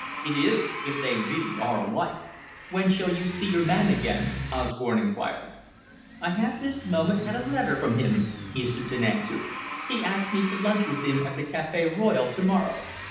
"It is if they really are alike. When shall you see your man again?" Osborne inquired. "I have this moment had a letter from him," Easterton answered. "He asks me to lunch with him at the Café Royal to morrow.